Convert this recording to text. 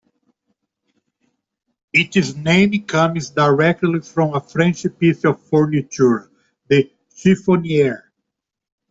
Its name comes directly from a French piece of furniture, the chiffoniere.